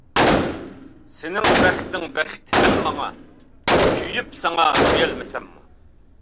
سېنىڭ بەختىڭ بەخت ھەم ماڭا، كۆيۈپ ساڭا سۆيەلمىسەممۇ.